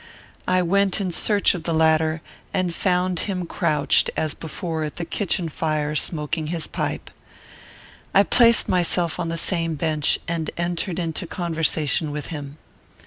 I went in search of the latter, and found him crouched, as before, at the kitchen fire, smoking his pipe. I placed myself on the same bench, and entered into conversation with him.